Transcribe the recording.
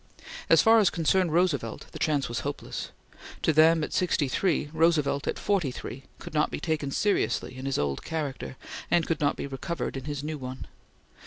As far as concerned Roosevelt, the chance was hopeless. To them at sixty three, Roosevelt at forty three could not be taken seriously in his old character, and could not be recovered in his new one.